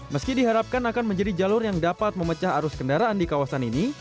meski diharapkan akan menjadi jalur yang dapat memecah arus kendaraan di kawasan ini